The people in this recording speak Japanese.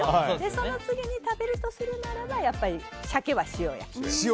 その次に食べるとするならばやっぱりサケは塩焼き。